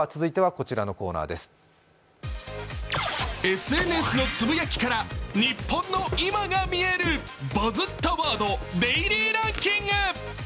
ＳＮＳのつぶやきから日本の今が見える「バズったワードデイリーランキング」。